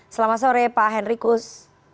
selamat sore pak henrikus